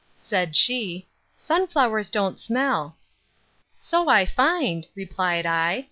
Said she, Sunflowers don't smell. So I find, replied I.